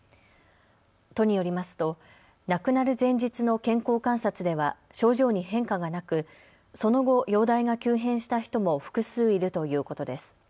都によりますと亡くなる前日の健康観察では症状に変化がなくその後、容体が急変した人も複数いるということです。